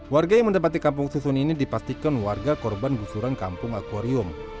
warga yang menempati kampung susun ini dipastikan warga korban busuran kampung akuarium